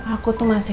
aku tuh masih